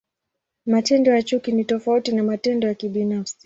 Matendo ya chuki ni tofauti na matendo ya kibinafsi.